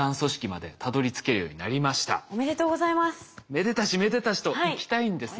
めでたしめでたしといきたいんですが。